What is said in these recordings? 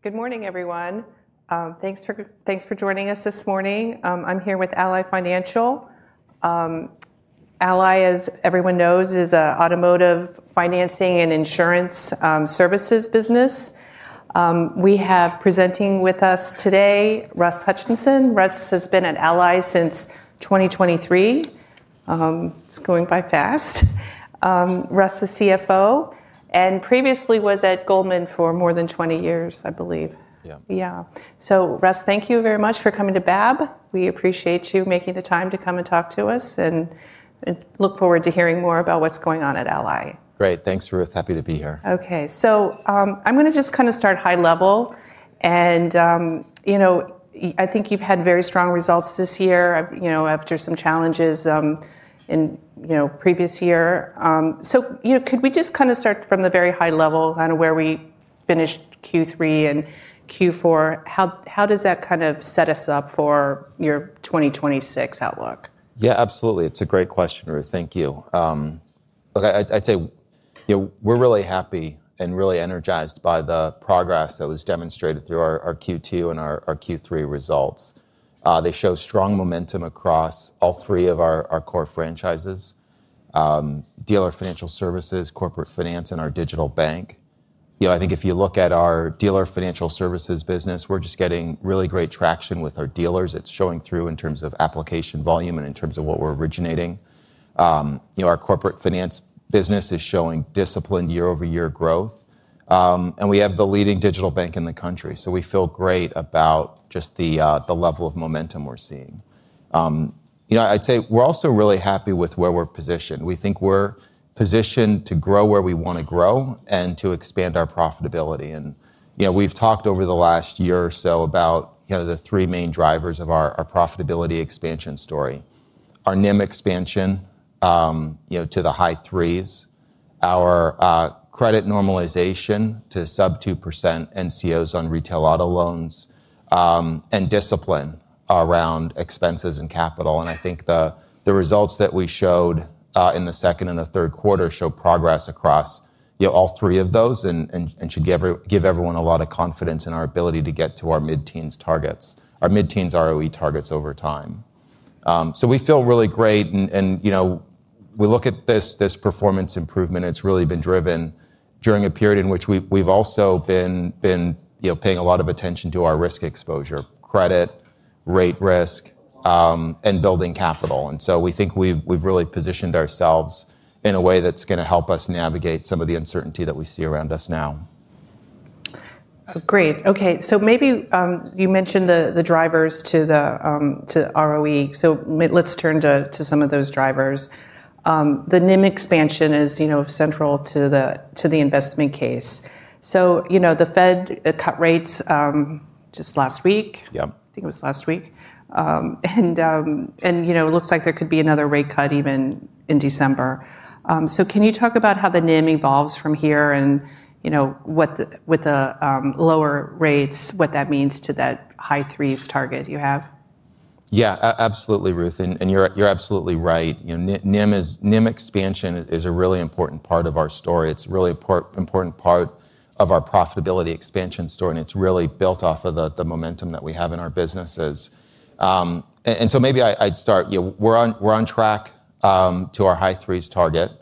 Good morning, everyone. Thanks for joining us this morning. I'm here with Ally Financial. Ally, as everyone knows, is an automotive financing and insurance services business. We have presenting with us today, Russ Hutchinson. Russ has been at Ally since 2023. It's going by fast. Russ is CFO and previously was at Goldman for more than 20 years, I believe. Yeah. Russ, thank you very much for coming to Babb. We appreciate you making the time to come and talk to us and look forward to hearing more about what's going on at Ally. Great. Thanks, Ruth. Happy to be here. Okay. I'm going to just kind of start high level. I think you've had very strong results this year after some challenges in the previous year. Could we just kind of start from the very high level, kind of where we finished Q3 and Q4? How does that kind of set us up for your 2026 outlook? Yeah, absolutely. It's a great question, Ruth. Thank you. I'd say we're really happy and really energized by the progress that was demonstrated through our Q2 and our Q3 results. They show strong momentum across all three of our core franchises. Dealer financial services, corporate finance, and our digital bank. I think if you look at our dealer financial services business, we're just getting really great traction with our dealers. It's showing through in terms of application volume and in terms of what we're originating. Our corporate finance business is showing disciplined year-over-year growth. We have the leading digital bank in the country. We feel great about just the level of momentum we're seeing. I'd say we're also really happy with where we're positioned. We think we're positioned to grow where we want to grow and to expand our profitability. We have talked over the last year or so about the three main drivers of our profitability expansion story. Our NIM expansion to the high threes, our credit normalization to sub-2% NCOs on retail auto loans, and discipline around expenses and capital. I think the results that we showed in the second and the third quarter show progress across all three of those and should give everyone a lot of confidence in our ability to get to our mid-teens targets, our mid-teens ROE targets over time. We feel really great. We look at this performance improvement. It has really been driven during a period in which we have also been paying a lot of attention to our risk exposure: credit, rate risk, and building capital. We think we've really positioned ourselves in a way that's going to help us navigate some of the uncertainty that we see around us now. Great. Okay. Maybe you mentioned the drivers to the ROE. Let's turn to some of those drivers. The NIM expansion is central to the investment case. The Fed cut rates just last week. Yeah. I think it was last week. It looks like there could be another rate cut even in December. Can you talk about how the NIM evolves from here and with the lower rates, what that means to that high threes target you have? Yeah, absolutely, Ruth. And you're absolutely right. NIM expansion is a really important part of our story. It's a really important part of our profitability expansion story. It's really built off of the momentum that we have in our businesses. Maybe I'd start. We're on track to our high threes target.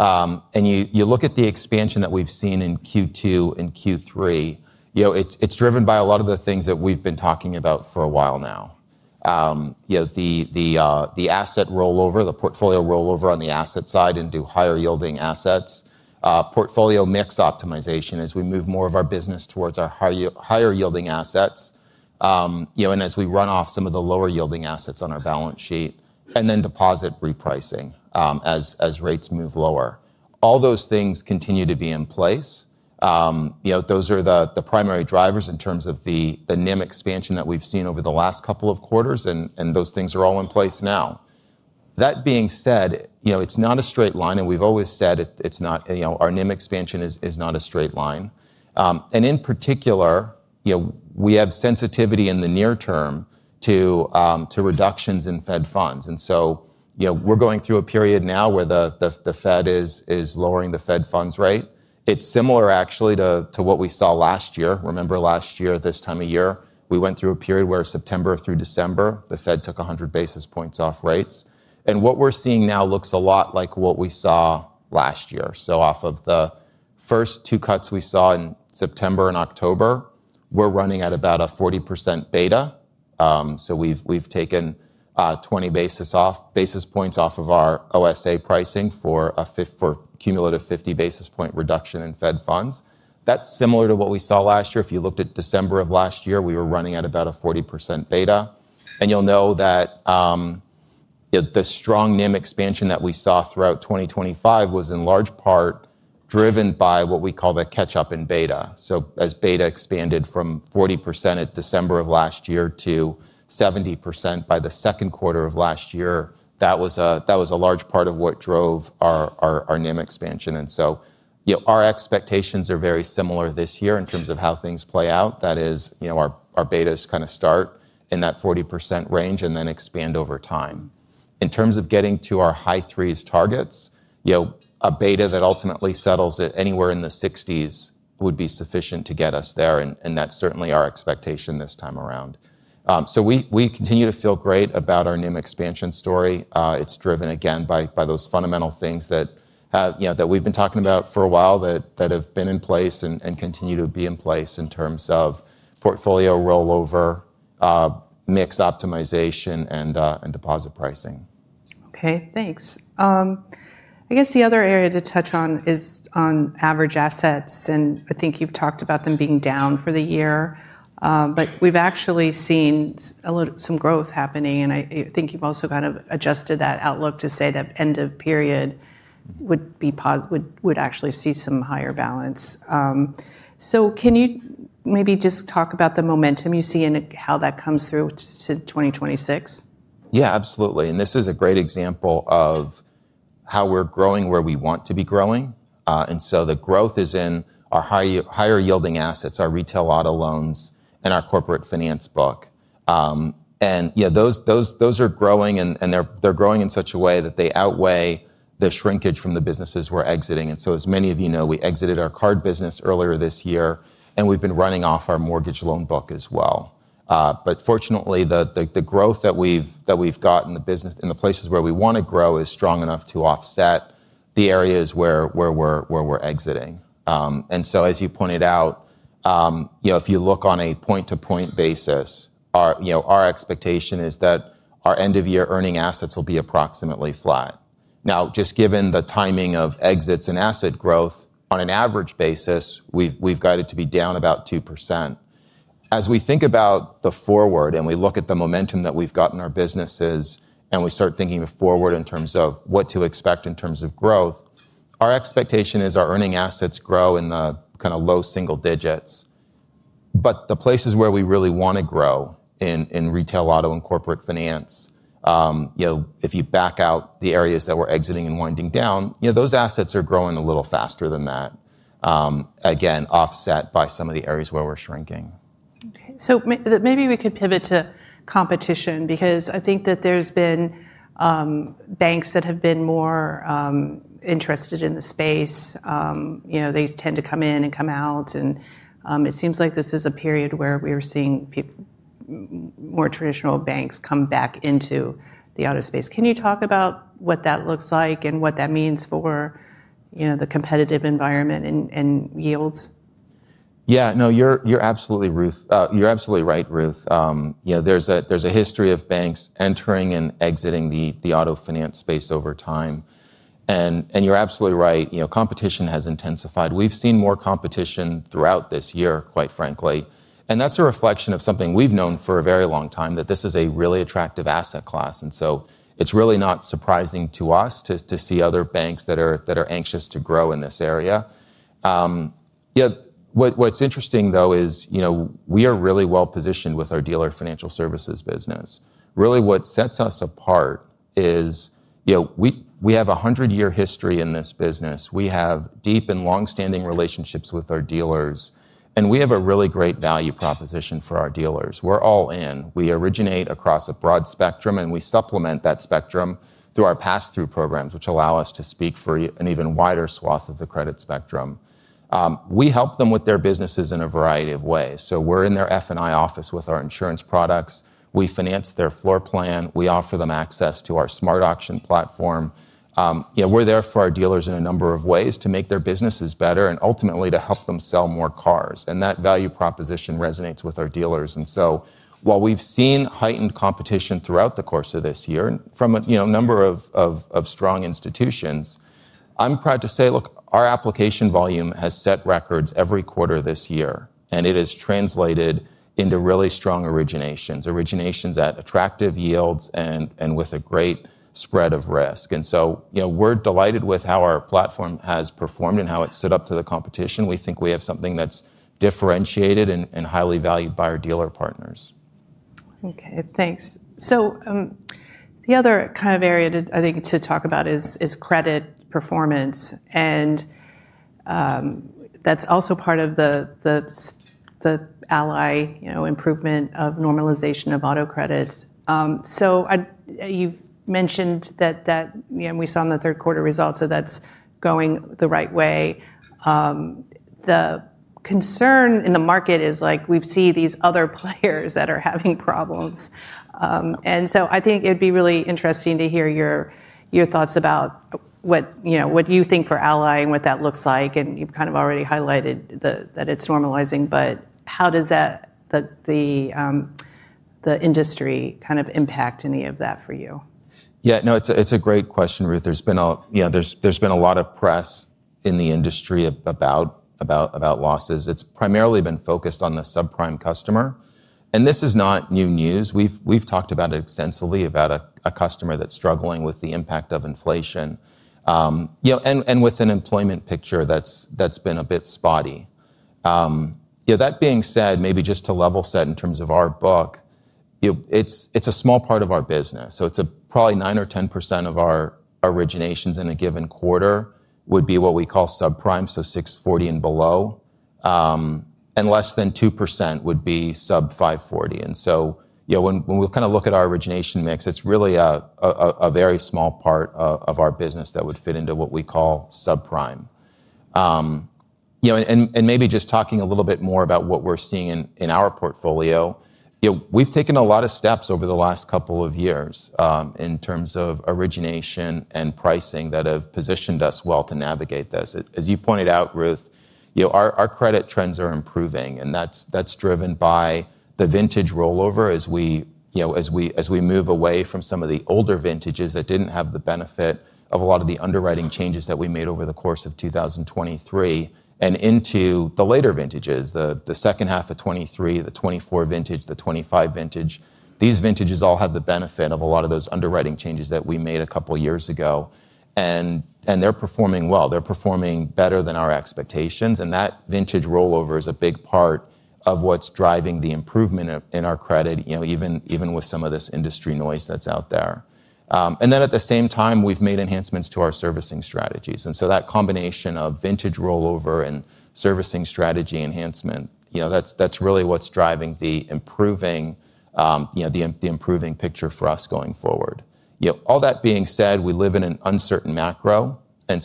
You look at the expansion that we've seen in Q2 and Q3, it's driven by a lot of the things that we've been talking about for a while now. The asset rollover, the portfolio rollover on the asset side into higher yielding assets, portfolio mix optimization as we move more of our business towards our higher yielding assets, and as we run off some of the lower yielding assets on our balance sheet, and then deposit repricing as rates move lower. All those things continue to be in place. Those are the primary drivers in terms of the NIM expansion that we've seen over the last couple of quarters. Those things are all in place now. That being said, it's not a straight line. We've always said it's not. Our NIM expansion is not a straight line. In particular, we have sensitivity in the near term to reductions in Fed funds. We're going through a period now where the Fed is lowering the Fed funds rate. It's similar actually to what we saw last year. Remember last year, this time of year, we went through a period where September through December, the Fed took 100 basis points off rates. What we're seeing now looks a lot like what we saw last year. Off of the first two cuts we saw in September and October, we're running at about a 40% beta. We've taken 20 basis points off of our OSA pricing for a cumulative 50 basis point reduction in Fed funds. That's similar to what we saw last year. If you looked at December of last year, we were running at about a 40% beta. You'll know that the strong NIM expansion that we saw throughout 2025 was in large part driven by what we call the catch-up in beta. As beta expanded from 40% at December of last year to 70% by the second quarter of last year, that was a large part of what drove our NIM expansion. Our expectations are very similar this year in terms of how things play out. That is, our betas kind of start in that 40% range and then expand over time. In terms of getting to our high threes targets, a beta that ultimately settles at anywhere in the 60s would be sufficient to get us there. That is certainly our expectation this time around. We continue to feel great about our NIM expansion story. It is driven again by those fundamental things that we have been talking about for a while that have been in place and continue to be in place in terms of portfolio rollover, mix optimization, and deposit pricing. Okay. Thanks. I guess the other area to touch on is on average assets. I think you've talked about them being down for the year. We've actually seen some growth happening. I think you've also kind of adjusted that outlook to say that end of period would actually see some higher balance. Can you maybe just talk about the momentum you see and how that comes through to 2026? Yeah, absolutely. This is a great example of how we're growing where we want to be growing. The growth is in our higher yielding assets, our retail auto loans, and our corporate finance book. Those are growing, and they're growing in such a way that they outweigh the shrinkage from the businesses we're exiting. As many of you know, we exited our card business earlier this year. We've been running off our mortgage loan book as well. Fortunately, the growth that we've got in the business in the places where we want to grow is strong enough to offset the areas where we're exiting. As you pointed out, if you look on a point-to-point basis, our expectation is that our end-of-year earning assets will be approximately flat. Now, just given the timing of exits and asset growth, on an average basis, we've guided to be down about 2%. As we think about the forward and we look at the momentum that we've got in our businesses and we start thinking forward in terms of what to expect in terms of growth, our expectation is our earning assets grow in the kind of low-single digits. The places where we really want to grow in retail auto and corporate finance, if you back out the areas that we're exiting and winding down, those assets are growing a little faster than that, again, offset by some of the areas where we're shrinking. Okay. Maybe we could pivot to competition because I think that there's been banks that have been more interested in the space. They tend to come in and come out. It seems like this is a period where we are seeing more traditional banks come back into the auto space. Can you talk about what that looks like and what that means for the competitive environment and yields? Yeah. No, you're absolutely right, Ruth. There's a history of banks entering and exiting the auto finance space over time. You're absolutely right. Competition has intensified. We've seen more competition throughout this year, quite frankly. That's a reflection of something we've known for a very long time, that this is a really attractive asset class. It's really not surprising to us to see other banks that are anxious to grow in this area. What's interesting, though, is we are really well positioned with our dealer financial services business. Really, what sets us apart is we have a 100-year history in this business. We have deep and long-standing relationships with our dealers. We have a really great value proposition for our dealers. We're all in. We originate across a broad spectrum. We supplement that spectrum through our pass-through programs, which allow us to speak for an even wider swath of the credit spectrum. We help them with their businesses in a variety of ways. We are in their F&I office with our insurance products. We finance their floor plan. We offer them access to our SmartAuction platform. We are there for our dealers in a number of ways to make their businesses better and ultimately to help them sell more cars. That value proposition resonates with our dealers. While we have seen heightened competition throughout the course of this year from a number of strong institutions, I am proud to say, look, our application volume has set records every quarter this year. It has translated into really strong originations, originations at attractive yields and with a great spread of risk. We're delighted with how our platform has performed and how it's set up to the competition. We think we have something that's differentiated and highly valued by our dealer partners. Okay. Thanks. The other kind of area I think to talk about is credit performance. That's also part of the Ally improvement of normalization of auto credits. You've mentioned that we saw in the third quarter results that that's going the right way. The concern in the market is we see these other players that are having problems. I think it'd be really interesting to hear your thoughts about what you think for Ally and what that looks like. You've kind of already highlighted that it's normalizing. How does the industry kind of impact any of that for you? Yeah. No, it's a great question, Ruth. There's been a lot of press in the industry about losses. It's primarily been focused on the subprime customer. This is not new news. We've talked about it extensively about a customer that's struggling with the impact of inflation and with an employment picture that's been a bit spotty. That being said, maybe just to level set in terms of our book, it's a small part of our business. It's probably 9% or 10% of our originations in a given quarter would be what we call subprime, so 640 and below. Less than 2% would be sub-540. When we kind of look at our origination mix, it's really a very small part of our business that would fit into what we call subprime. Maybe just talking a little bit more about what we're seeing in our portfolio, we've taken a lot of steps over the last couple of years in terms of origination and pricing that have positioned us well to navigate this. As you pointed out, Ruth, our credit trends are improving. That's driven by the vintage rollover as we move away from some of the older vintages that didn't have the benefit of a lot of the underwriting changes that we made over the course of 2023 and into the later vintages, the second half of 2023, the 2024 vintage, the 2025 vintage. These vintages all have the benefit of a lot of those underwriting changes that we made a couple of years ago. They're performing well. They're performing better than our expectations. That vintage rollover is a big part of what is driving the improvement in our credit, even with some of this industry noise that is out there. At the same time, we have made enhancements to our servicing strategies. That combination of vintage rollover and servicing strategy enhancement is really what is driving the improving picture for us going forward. All that being said, we live in an uncertain macro.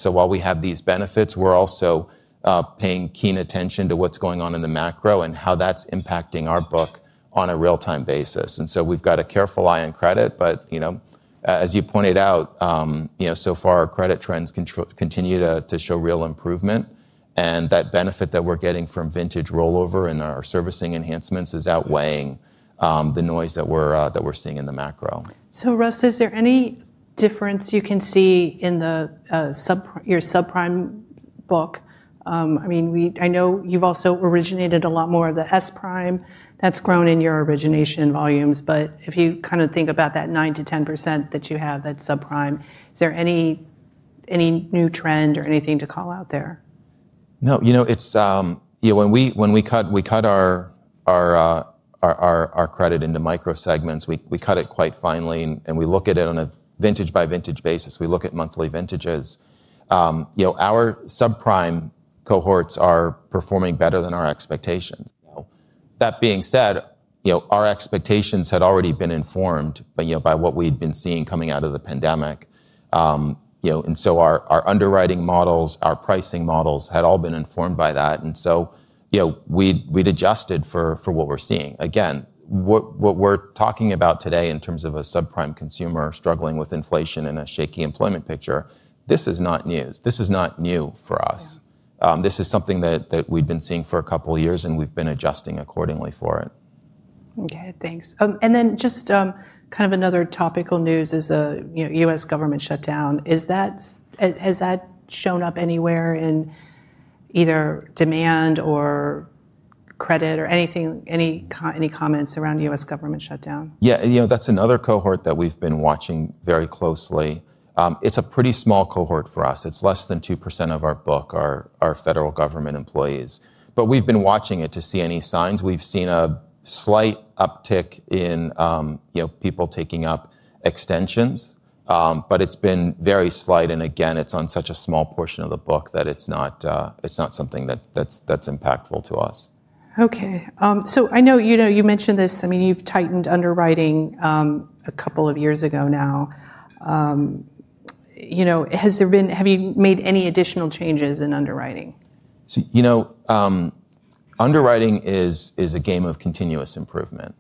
While we have these benefits, we are also paying keen attention to what is going on in the macro and how that is impacting our book on a real-time basis. We have a careful eye on credit. As you pointed out, so far, our credit trends continue to show real improvement. That benefit that we are getting from vintage rollover and our servicing enhancements is outweighing the noise that we are seeing in the macro. Russell, is there any difference you can see in your subprime book? I mean, I know you've also originated a lot more of the S prime. That's grown in your origination volumes. If you kind of think about that 9%-10% that you have that's subprime, is there any new trend or anything to call out there? No. When we cut our credit into micro segments, we cut it quite finely. We look at it on a vintage-by-vintage basis. We look at monthly vintages. Our subprime cohorts are performing better than our expectations. That being said, our expectations had already been informed by what we had been seeing coming out of the pandemic. Our underwriting models, our pricing models had all been informed by that. We had adjusted for what we are seeing. Again, what we are talking about today in terms of a subprime consumer struggling with inflation and a shaky employment picture, this is not news. This is not new for us. This is something that we had been seeing for a couple of years. We have been adjusting accordingly for it. Okay. Thanks. Just kind of another topical news is U.S. government shutdown. Has that shown up anywhere in either demand or credit or any comments around U.S. government shutdown? Yeah. That's another cohort that we've been watching very closely. It's a pretty small cohort for us. It's less than 2% of our book, our federal government employees. We've been watching it to see any signs. We've seen a slight uptick in people taking up extensions. It's been very slight. Again, it's on such a small portion of the book that it's not something that's impactful to us. Okay. I know you mentioned this. I mean, you've tightened underwriting a couple of years ago now. Have you made any additional changes in underwriting? Underwriting is a game of continuous improvement.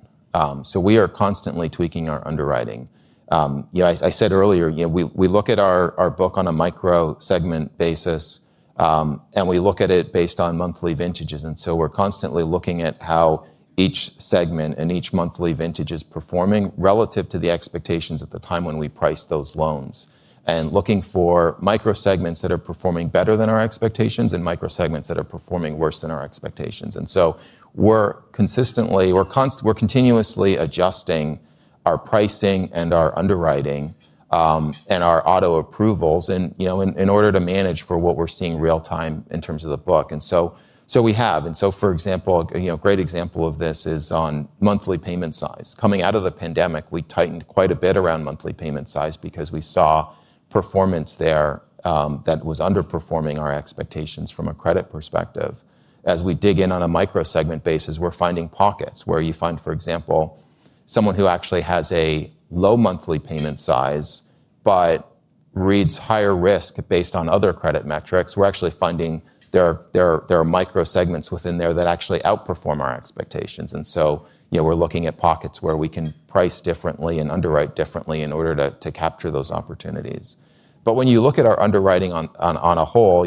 We are constantly tweaking our underwriting. I said earlier, we look at our book on a micro segment basis. We look at it based on monthly vintages. We are constantly looking at how each segment and each monthly vintage is performing relative to the expectations at the time when we price those loans and looking for micro segments that are performing better than our expectations and micro segments that are performing worse than our expectations. We are continuously adjusting our pricing and our underwriting and our auto approvals in order to manage for what we are seeing real-time in terms of the book. For example, a great example of this is on monthly payment size. Coming out of the pandemic, we tightened quite a bit around monthly payment size because we saw performance there that was underperforming our expectations from a credit perspective. As we dig in on a micro segment basis, we're finding pockets where you find, for example, someone who actually has a low monthly payment size but reads higher risk based on other credit metrics. We're actually finding there are micro segments within there that actually outperform our expectations. We are looking at pockets where we can price differently and underwrite differently in order to capture those opportunities. When you look at our underwriting on a whole,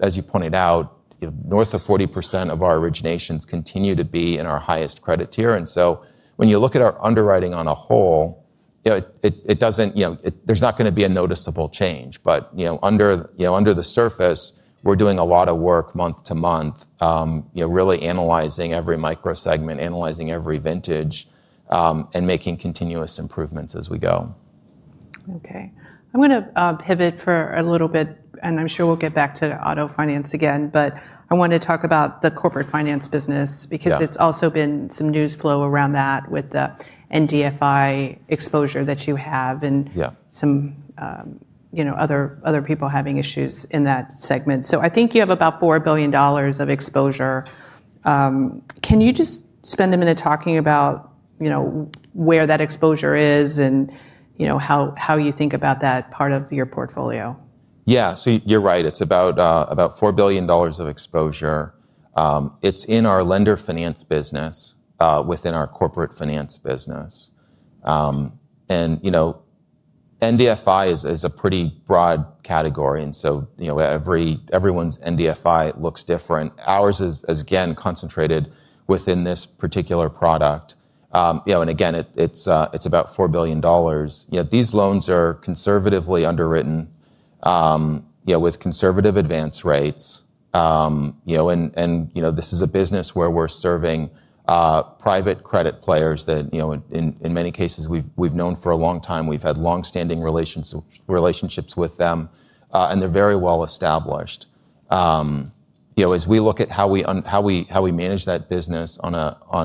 as you pointed out, north of 40% of our originations continue to be in our highest credit tier. When you look at our underwriting on a whole, there's not going to be a noticeable change. Under the surface, we're doing a lot of work month to month, really analyzing every micro segment, analyzing every vintage, and making continuous improvements as we go. Okay. I'm going to pivot for a little bit. I'm sure we'll get back to auto finance again. I want to talk about the corporate finance business because it's also been some news flow around that with the NDFI exposure that you have and some other people having issues in that segment. I think you have about $4 billion of exposure. Can you just spend a minute talking about where that exposure is and how you think about that part of your portfolio? Yeah. You're right. It's about $4 billion of exposure. It's in our lender finance business within our Corporate Finance business. NDFI is a pretty broad category. Everyone's NDFI looks different. Ours is, again, concentrated within this particular product. Again, it's about $4 billion. These loans are conservatively underwritten with conservative advance rates. This is a business where we're serving private credit players that, in many cases, we've known for a long time. We've had long-standing relationships with them. They're very well established. As we look at how we manage that business on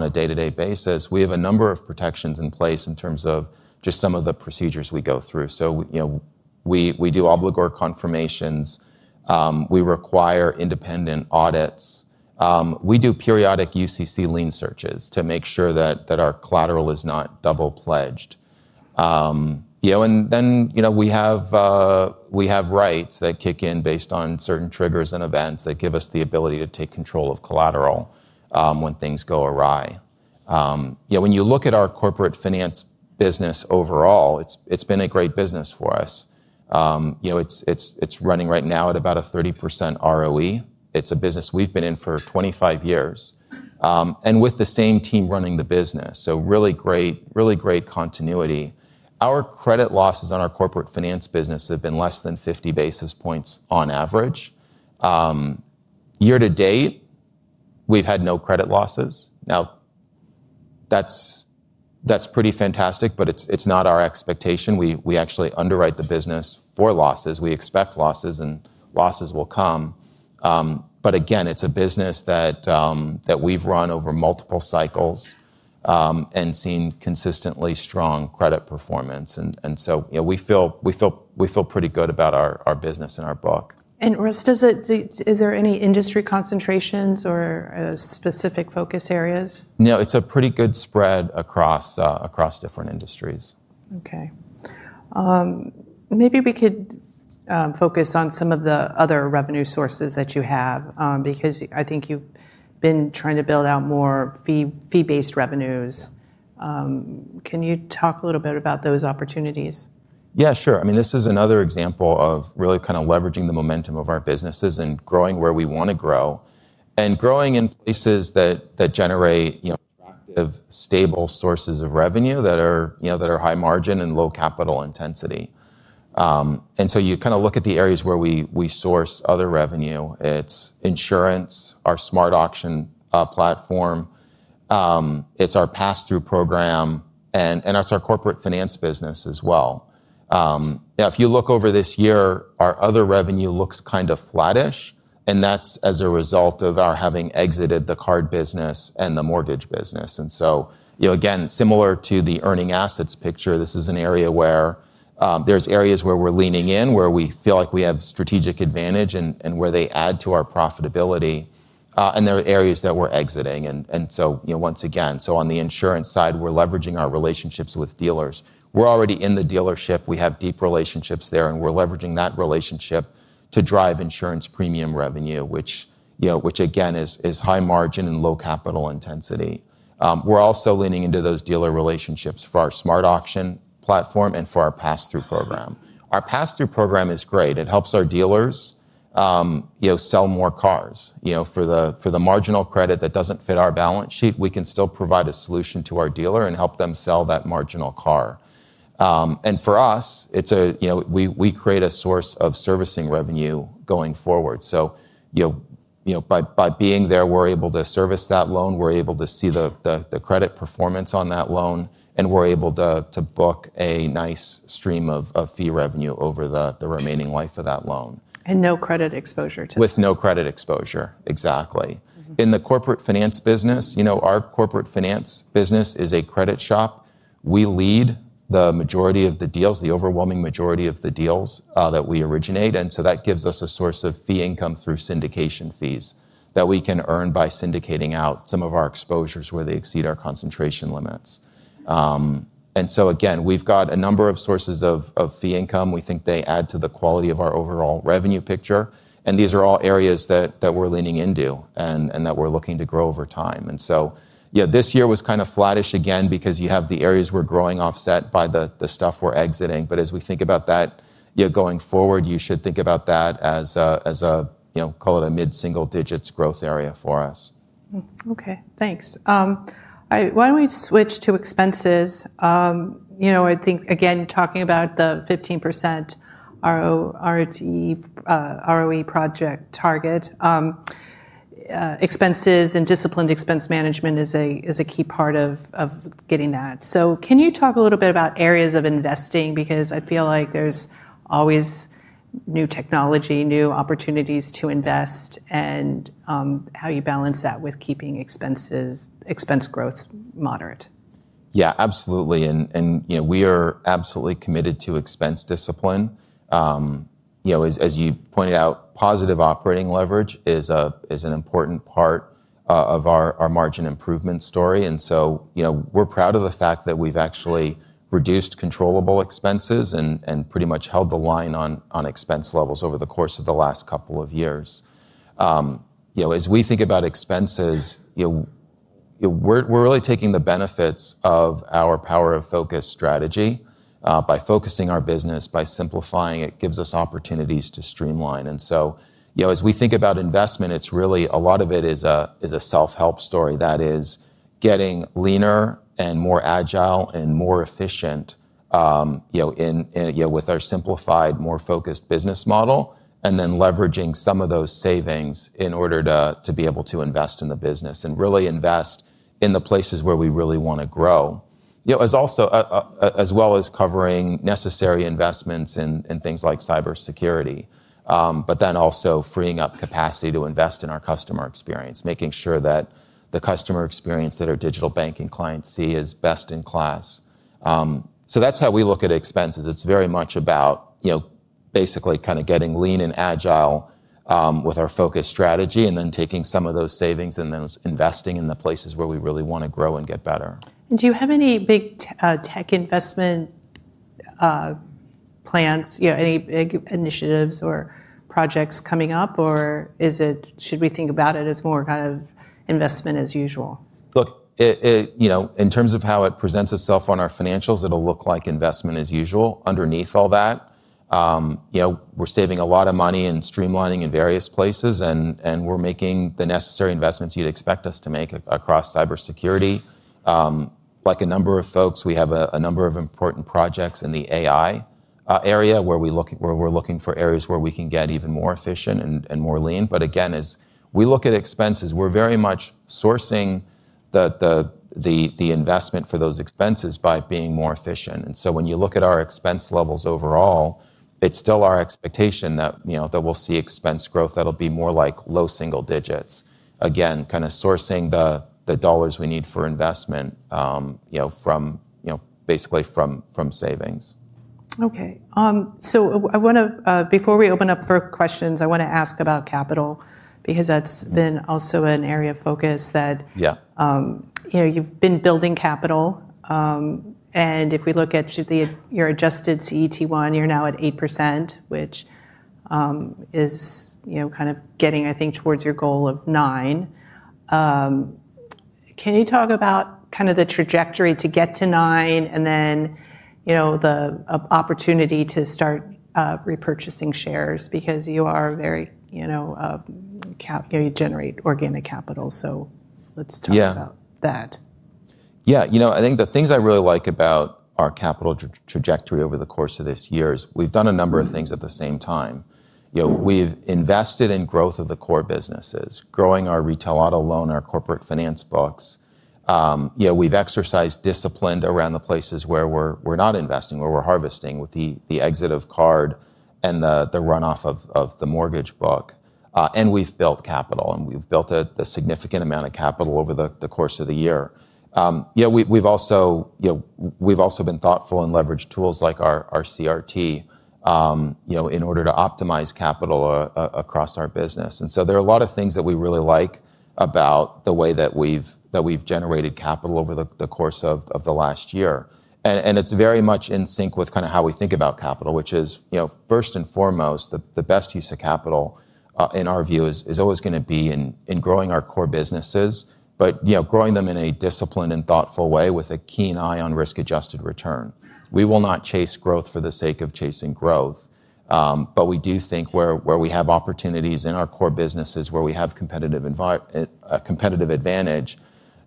a day-to-day basis, we have a number of protections in place in terms of just some of the procedures we go through. We do obligor confirmations. We require independent audits. We do periodic UCC lien searches to make sure that our collateral is not double pledged. We have rights that kick in based on certain triggers and events that give us the ability to take control of collateral when things go awry. When you look at our corporate finance business overall, it's been a great business for us. It's running right now at about a 30% ROE. It's a business we've been in for 25 years and with the same team running the business. Really great continuity. Our credit losses on our corporate finance business have been less than 50 basis points on average. Year to date, we've had no credit losses. That's pretty fantastic. It's not our expectation. We actually underwrite the business for losses. We expect losses. Losses will come. It's a business that we've run over multiple cycles and seen consistently strong credit performance. We feel pretty good about our business and our book. Russ, is there any industry concentrations or specific focus areas? No. It's a pretty good spread across different industries. Okay. Maybe we could focus on some of the other revenue sources that you have because I think you've been trying to build out more fee-based revenues. Can you talk a little bit about those opportunities? Yeah. Sure. I mean, this is another example of really kind of leveraging the momentum of our businesses and growing where we want to grow and growing in places that generate attractive, stable sources of revenue that are high margin and low capital intensity. You kind of look at the areas where we source other revenue. It's insurance, our SmartAuction platform. It's our pass-through program. It's our Corporate Finance business as well. Now, if you look over this year, our other revenue looks kind of flattish. That's as a result of our having exited the card business and the mortgage business. Again, similar to the earning assets picture, this is an area where there's areas where we're leaning in, where we feel like we have strategic advantage and where they add to our profitability. There are areas that we're exiting. Once again, on the insurance side, we're leveraging our relationships with dealers. We're already in the dealership. We have deep relationships there. We're leveraging that relationship to drive insurance premium revenue, which again is high margin and low capital intensity. We're also leaning into those dealer relationships for our SmartAuction platform and for our pass-through program. Our pass-through program is great. It helps our dealers sell more cars. For the marginal credit that doesn't fit our balance sheet, we can still provide a solution to our dealer and help them sell that marginal car. For us, we create a source of servicing revenue going forward. By being there, we're able to service that loan. We're able to see the credit performance on that loan. We're able to book a nice stream of fee revenue over the remaining life of that loan. No credit exposure to it. With no credit exposure. Exactly. In the corporate finance business, our corporate finance business is a credit shop. We lead the majority of the deals, the overwhelming majority of the deals that we originate. That gives us a source of fee income through syndication fees that we can earn by syndicating out some of our exposures where they exceed our concentration limits. We have a number of sources of fee income. We think they add to the quality of our overall revenue picture. These are all areas that we are leaning into and that we are looking to grow over time. This year was kind of flattish again because you have the areas we are growing offset by the stuff we are exiting. As we think about that going forward, you should think about that as a, call it a mid-single digits growth area for us. Okay. Thanks. Why don't we switch to expenses? I think, again, talking about the 15% ROE project target, expenses and disciplined expense management is a key part of getting that. Can you talk a little bit about areas of investing? Because I feel like there's always new technology, new opportunities to invest, and how you balance that with keeping expense growth moderate. Yeah. Absolutely. We are absolutely committed to expense discipline. As you pointed out, positive operating leverage is an important part of our margin improvement story. We are proud of the fact that we have actually reduced controllable expenses and pretty much held the line on expense levels over the course of the last couple of years. As we think about expenses, we are really taking the benefits of our power of focus strategy. By focusing our business, by simplifying it, it gives us opportunities to streamline. As we think about investment, a lot of it is a self-help story. That is getting leaner and more agile and more efficient with our simplified, more focused business model and then leveraging some of those savings in order to be able to invest in the business and really invest in the places where we really want to grow, as well as covering necessary investments in things like cybersecurity, but also freeing up capacity to invest in our customer experience, making sure that the customer experience that our digital banking clients see is best in class. That is how we look at expenses. It is very much about basically kind of getting lean and agile with our focus strategy and then taking some of those savings and investing in the places where we really want to grow and get better. Do you have any big tech investment plans, any initiatives or projects coming up? Or should we think about it as more kind of investment as usual? Look, in terms of how it presents itself on our financials, it'll look like investment as usual. Underneath all that, we're saving a lot of money and streamlining in various places. We're making the necessary investments you'd expect us to make across cybersecurity. Like a number of folks, we have a number of important projects in the AI area where we're looking for areas where we can get even more efficient and more lean. Again, as we look at expenses, we're very much sourcing the investment for those expenses by being more efficient. When you look at our expense levels overall, it's still our expectation that we'll see expense growth that'll be more like low single digits, again, kind of sourcing the dollars we need for investment basically from savings. Okay. Before we open up for questions, I want to ask about capital because that's been also an area of focus that you've been building capital. If we look at your adjusted CET1, you're now at 8%, which is kind of getting, I think, towards your goal of 9%. Can you talk about kind of the trajectory to get to 9% and then the opportunity to start repurchasing shares? Because you generate organic capital. Let's talk about that. Yeah. I think the things I really like about our capital trajectory over the course of this year is we've done a number of things at the same time. We've invested in growth of the core businesses, growing our retail auto loan, our corporate finance books. We've exercised discipline around the places where we're not investing, where we're harvesting with the exit of card and the runoff of the mortgage book. We've built capital. We've built a significant amount of capital over the course of the year. We've also been thoughtful and leveraged tools like our CRT in order to optimize capital across our business. There are a lot of things that we really like about the way that we've generated capital over the course of the last year. It is very much in sync with kind of how we think about capital, which is, first and foremost, the best use of capital, in our view, is always going to be in growing our core businesses, but growing them in a disciplined and thoughtful way with a keen eye on risk-adjusted return. We will not chase growth for the sake of chasing growth. We do think where we have opportunities in our core businesses where we have competitive advantage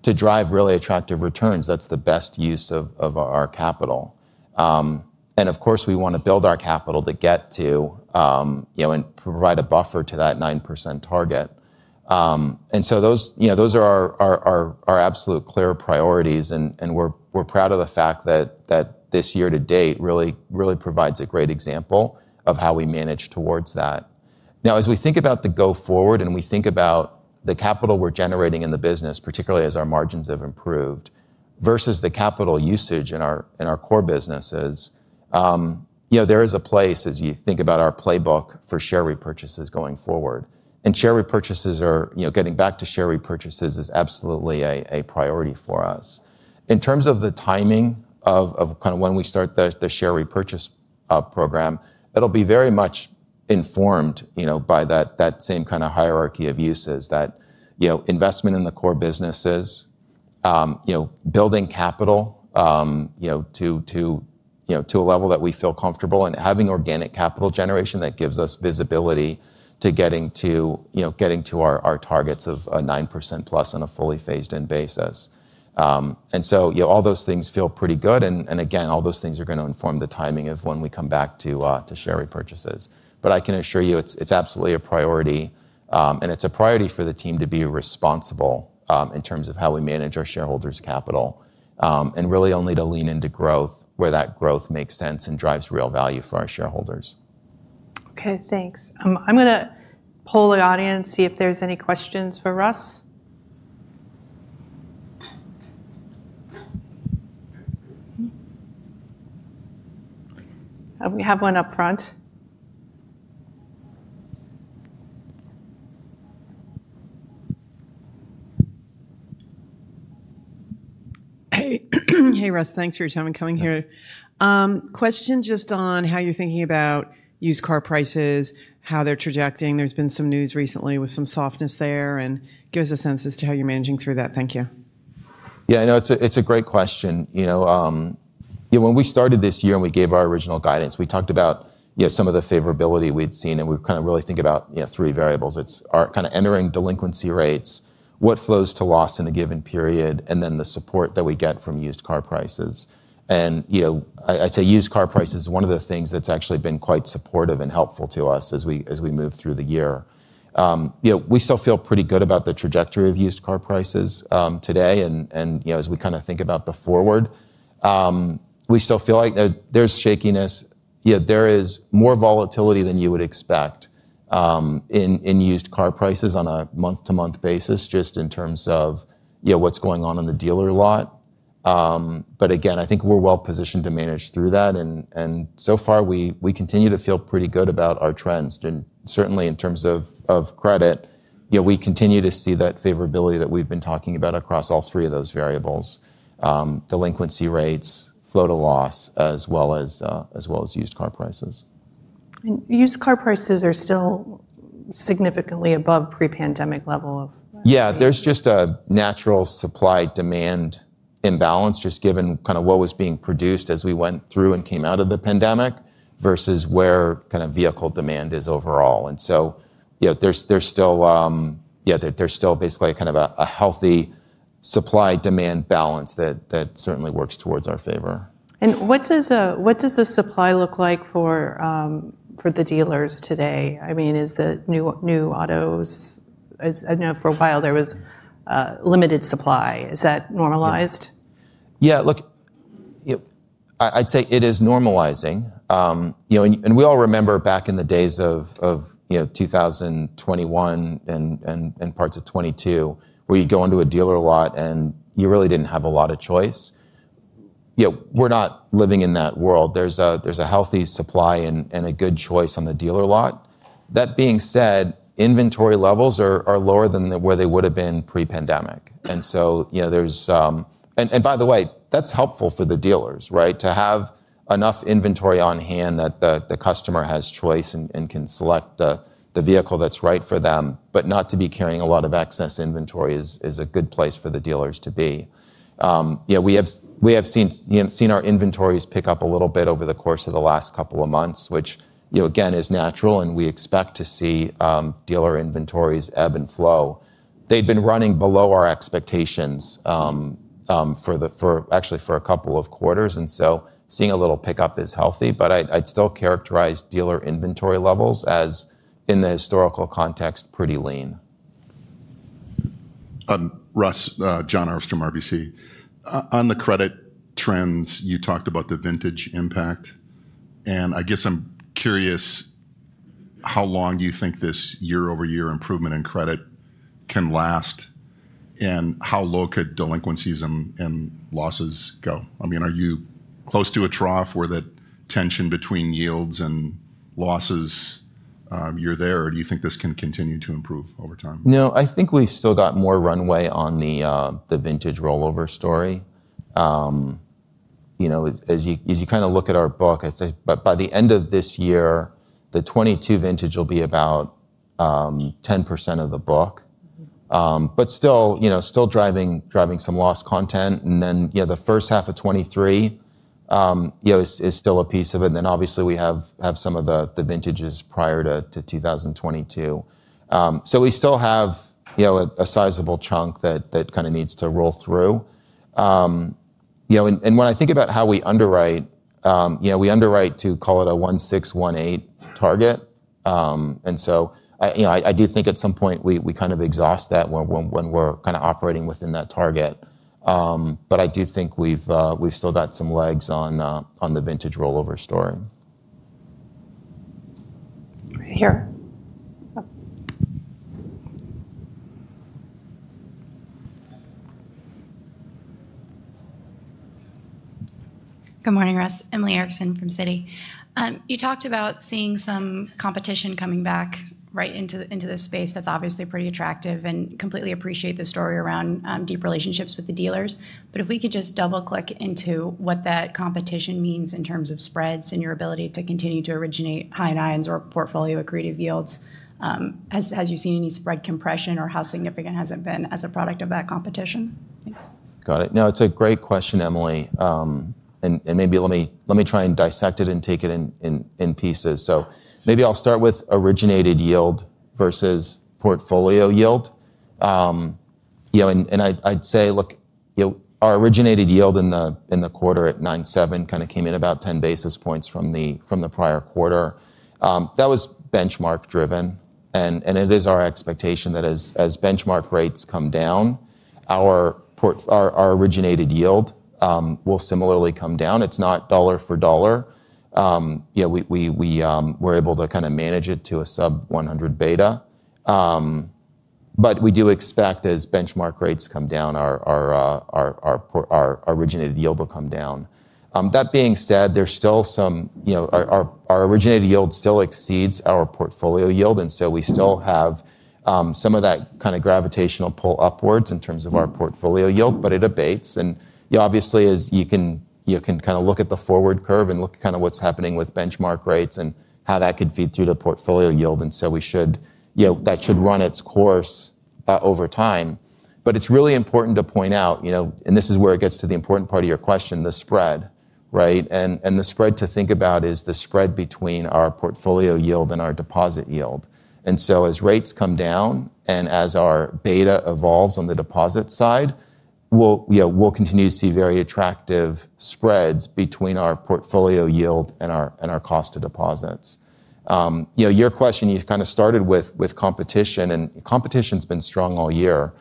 to drive really attractive returns, that is the best use of our capital. Of course, we want to build our capital to get to and provide a buffer to that 9% target. Those are our absolute clear priorities. We are proud of the fact that this year to date really provides a great example of how we manage towards that. Now, as we think about the go forward and we think about the capital we're generating in the business, particularly as our margins have improved versus the capital usage in our core businesses, there is a place, as you think about our playbook, for share repurchases going forward. Share repurchases and getting back to share repurchases is absolutely a priority for us. In terms of the timing of kind of when we start the share repurchase program, it'll be very much informed by that same kind of hierarchy of uses, that investment in the core businesses, building capital to a level that we feel comfortable and having organic capital generation that gives us visibility to getting to our targets of 9% plus on a fully phased-in basis. All those things feel pretty good. All those things are going to inform the timing of when we come back to share repurchases. I can assure you it's absolutely a priority. It's a priority for the team to be responsible in terms of how we manage our shareholders' capital and really only to lean into growth where that growth makes sense and drives real value for our shareholders. Okay. Thanks. I'm going to poll the audience, see if there's any questions for Russ. We have one up front. Hey, Russ. Thanks for your time in coming here. Question just on how you're thinking about used car prices, how they're trajecting. There's been some news recently with some softness there. Give us a sense as to how you're managing through that. Thank you. Yeah. I know it's a great question. When we started this year and we gave our original guidance, we talked about some of the favorability we'd seen. We kind of really think about three variables. It's our kind of entering delinquency rates, what flows to loss in a given period, and then the support that we get from used car prices. I'd say used car prices is one of the things that's actually been quite supportive and helpful to us as we move through the year. We still feel pretty good about the trajectory of used car prices today. As we kind of think about the forward, we still feel like there's shakiness. There is more volatility than you would expect in used car prices on a month-to-month basis just in terms of what's going on in the dealer lot. I think we're well positioned to manage through that. So far, we continue to feel pretty good about our trends. Certainly, in terms of credit, we continue to see that favorability that we've been talking about across all three of those variables, delinquency rates, flow to loss, as well as used car prices. Used car prices are still significantly above pre-pandemic level of. Yeah. There's just a natural supply-demand imbalance just given kind of what was being produced as we went through and came out of the pandemic versus where kind of vehicle demand is overall. There's still basically kind of a healthy supply-demand balance that certainly works towards our favor. What does the supply look like for the dealers today? I mean, is the new autos, for a while there was limited supply. Is that normalized? Yeah. Look, I'd say it is normalizing. We all remember back in the days of 2021 and parts of 2022 where you'd go into a dealer lot and you really didn't have a lot of choice. We're not living in that world. There's a healthy supply and a good choice on the dealer lot. That being said, inventory levels are lower than where they would have been pre-pandemic. By the way, that's helpful for the dealers, right, to have enough inventory on hand that the customer has choice and can select the vehicle that's right for them. Not to be carrying a lot of excess inventory is a good place for the dealers to be. We have seen our inventories pick up a little bit over the course of the last couple of months, which, again, is natural. We expect to see dealer inventories ebb and flow. They'd been running below our expectations actually for a couple of quarters. Seeing a little pickup is healthy. I'd still characterize dealer inventory levels as, in the historical context, pretty lean. Russ, John Armstrong, RBC. On the credit trends, you talked about the vintage impact. I guess I'm curious how long you think this year-over-year improvement in credit can last and how low could delinquencies and losses go. I mean, are you close to a trough where that tension between yields and losses, you're there? Or do you think this can continue to improve over time? No. I think we've still got more runway on the vintage rollover story. As you kind of look at our book, I'd say by the end of this year, the 2022 vintage will be about 10% of the book, but still driving some loss content. The first half of 2023 is still a piece of it. Obviously, we have some of the vintages prior to 2022. We still have a sizable chunk that kind of needs to roll through. When I think about how we underwrite, we underwrite to call it a 1.618 target. I do think at some point we kind of exhaust that when we're kind of operating within that target. I do think we've still got some legs on the vintage rollover story. Here. Good morning, Russ. Emily Erickson from Citi. You talked about seeing some competition coming back right into this space that's obviously pretty attractive. I completely appreciate the story around deep relationships with the dealers. If we could just double-click into what that competition means in terms of spreads and your ability to continue to originate high-nines or portfolio accretive yields. Have you seen any spread compression or how significant has it been as a product of that competition? Thanks. Got it. No. It's a great question, Emily. Maybe let me try and dissect it and take it in pieces. Maybe I'll start with originated yield versus portfolio yield. I'd say, look, our originated yield in the quarter at 9.7% kind of came in about 10 basis points from the prior quarter. That was benchmark-driven. It is our expectation that as benchmark rates come down, our originated yield will similarly come down. It's not dollar for dollar. We were able to kind of manage it to a sub-100 beta. We do expect as benchmark rates come down, our originated yield will come down. That being said, our originated yield still exceeds our portfolio yield. We still have some of that kind of gravitational pull upwards in terms of our portfolio yield. It abates. Obviously, as you can kind of look at the forward curve and look at kind of what's happening with benchmark rates and how that could feed through to portfolio yield. That should run its course over time. It is really important to point out, and this is where it gets to the important part of your question, the spread, right? The spread to think about is the spread between our portfolio yield and our deposit yield. As rates come down and as our beta evolves on the deposit side, we'll continue to see very attractive spreads between our portfolio yield and our cost of deposits. Your question, you kind of started with competition. Competition's been strong all year.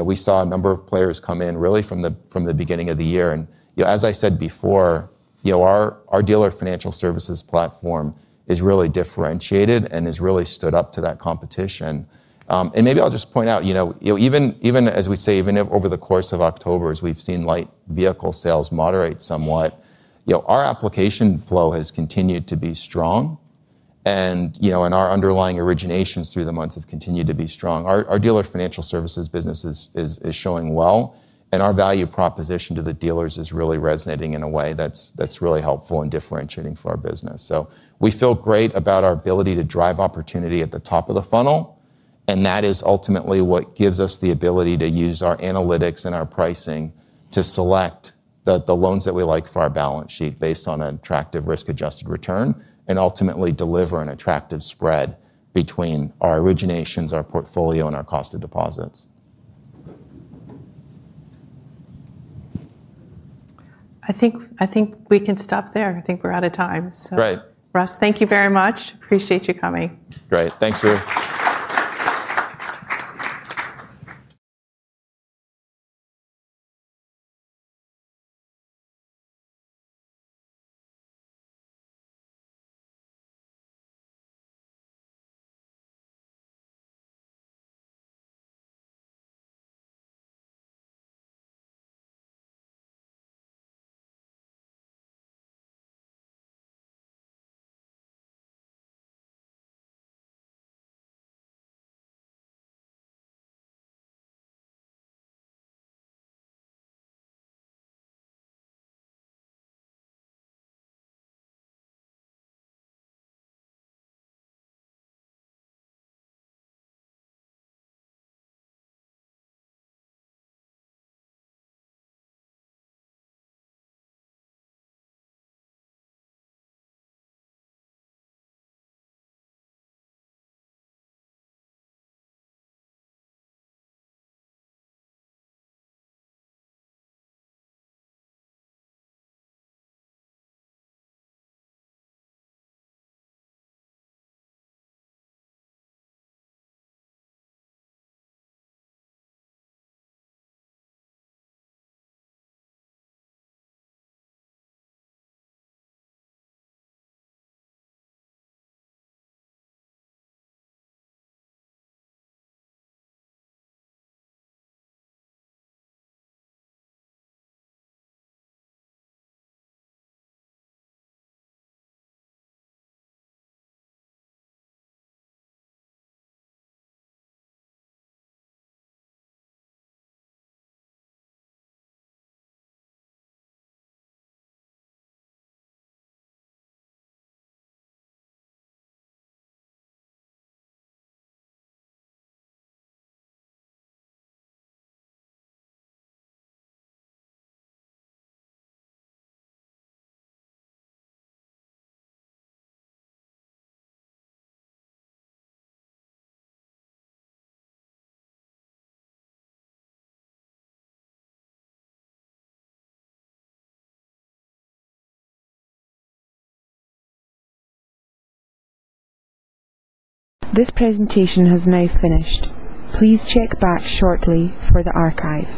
We saw a number of players come in really from the beginning of the year. As I said before, our dealer financial services platform is really differentiated and has really stood up to that competition. Maybe I'll just point out, even as we say, even over the course of October, as we've seen light vehicle sales moderate somewhat, our application flow has continued to be strong. Our underlying originations through the months have continued to be strong. Our dealer financial services business is showing well. Our value proposition to the dealers is really resonating in a way that's really helpful and differentiating for our business. We feel great about our ability to drive opportunity at the top of the funnel. That is ultimately what gives us the ability to use our analytics and our pricing to select the loans that we like for our balance sheet based on an attractive risk-adjusted return and ultimately deliver an attractive spread between our originations, our portfolio, and our cost of deposits. I think we can stop there. I think we're out of time. Right. Russ, thank you very much. Appreciate you coming. Great. Thanks, Ruth. This presentation has now finished. Please check back shortly for the archive.